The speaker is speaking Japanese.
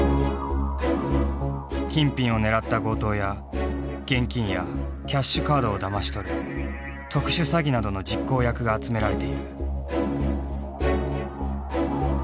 金品を狙った強盗や現金やキャッシュカードをだまし取る特殊詐欺などの実行役が集められている。